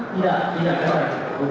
tidak tidak ada